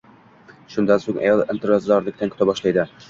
Shundan so`ng ayol intizorlikda kuta boshladi